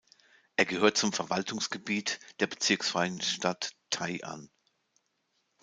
Er gehört zum Verwaltungsgebiet der bezirksfreien Stadt Tai’an.